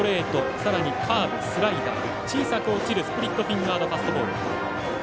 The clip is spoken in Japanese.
さらにカーブ、スライダー小さく落ちるスプリットフィンガーのファストボール。